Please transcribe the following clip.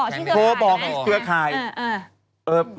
โทรศัพท์มาบอกชื่อเคย